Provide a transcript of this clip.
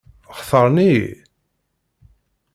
Xtaṛen-iyi?